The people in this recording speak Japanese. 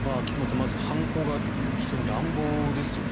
まず犯行が非常に乱暴ですよね。